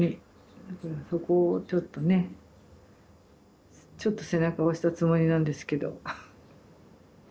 だからそこをちょっとねちょっと背中を押したつもりなんですけど。